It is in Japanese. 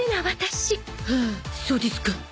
はあそうですか